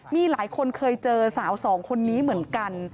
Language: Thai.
มีหลายคนเคยเจอสาวสองคนนี้เหมือนกัน